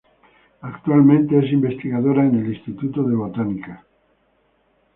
Actualmente es investigadora en el Instituto de Botánica.